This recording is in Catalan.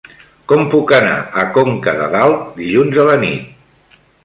Com puc anar a Conca de Dalt dilluns a la nit?